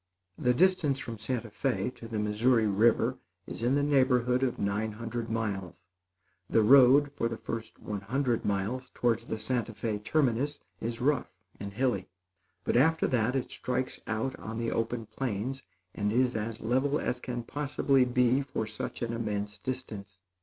The distance from Santa Fé to the Missouri River is in the neighborhood of nine hundred miles. The road, for the first one hundred miles towards the Santa Fé terminus, is rough and hilly; but, after that, it strikes out on the open plains, and is as level as can possibly be for such an immense distance.